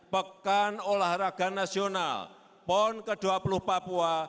pekan olahraga nasional pon ke dua puluh papua